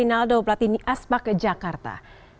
saya rinaldo platini aspak jakarta